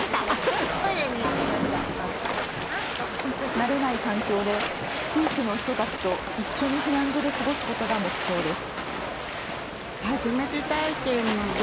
慣れない環境で地域の人たちと一緒に避難所で過ごすことが目標です。